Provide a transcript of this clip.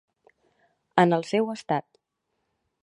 En el seu estat.